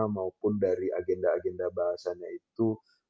maupun dari agenda agenda bahasanya itu